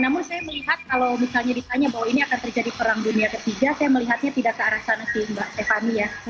namun saya melihat kalau misalnya ditanya bahwa ini akan terjadi perang dunia ketiga saya melihatnya tidak ke arah sana sih mbak stephany ya